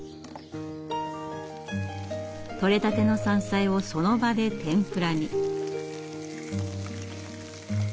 取れたての山菜をその場で天ぷらに。